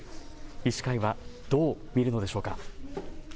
医師会は、どう見るのでしょうか。